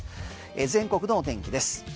全国の天気です。